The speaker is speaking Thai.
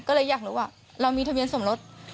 ก็เลยอยากรู้ว่าเรามีทะเบียนสมรส